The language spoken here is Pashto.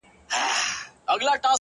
زړه چي ستا عشق اکبر کي را ايسار دی!